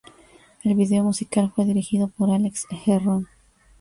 El video musical fue dirigido por Alex Herron.